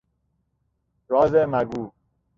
راز مگو